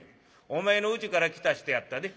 お前のうちから来た人やったで。